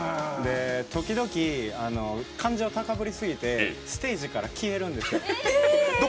時々、感情高ぶりすぎてステージから消えるんですよ。